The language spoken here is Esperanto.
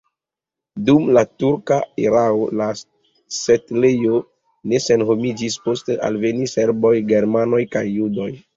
Dum la turka erao la setlejo ne senhomiĝis, poste alvenis serboj, germanoj kaj judoj.